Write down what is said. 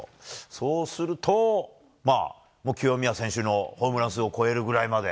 そうすると、まあ、もう清宮選手のホームラン数を超えるぐらいまで。